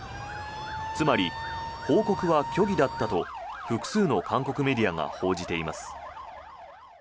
つまり、報告は虚偽だったと複数の韓国メディアが報じています。